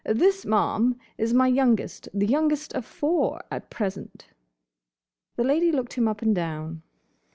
"This, ma'am, is my youngest. The youngest of four—at present." The Lady looked him up and down.